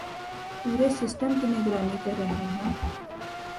پورے سسٹم کی نگرانی کررہے ہیں